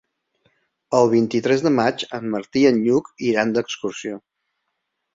El vint-i-tres de maig en Martí i en Lluc iran d'excursió.